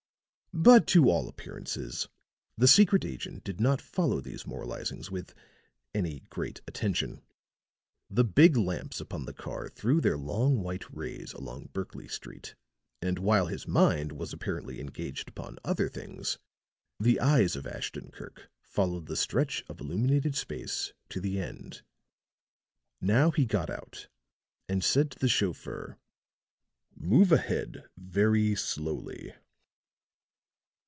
But to all appearances the secret agent did not follow these moralizings with any great attention. The big lamps upon the car threw their long white rays along Berkley Street; and while his mind was apparently engaged upon other things, the eyes of Ashton Kirk followed the stretch of illuminated space to the end. Now he got out, and said to the chauffeur: "Move ahead very slowly."